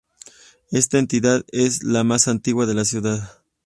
Esta entidad es la más antigua de la Ciudad.